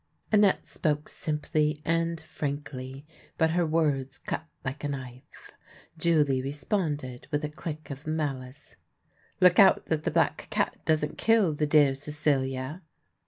Annette spoke simply and frankly, but her words cut like a knife. Julie responded, with a click of malice :" Look out that the black cat doesn't kill the dear Cecilia."